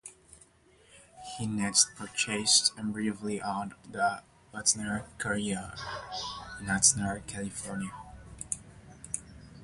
He next purchased and briefly owned the "Oxnard Courier" in Oxnard, California.